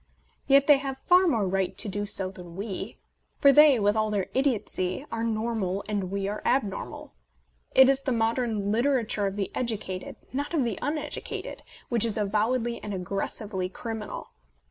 Yet they have far more right to do so than we ; for they, with all their idiotcy, are normal and we are abnormal. It is the modern litera ture of the educated, not of the uneducated, which is avowedly and aggressively criminal.